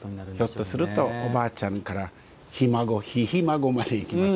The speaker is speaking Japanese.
ひょっとするとおばあちゃんからひ孫ひひ孫までいきますね。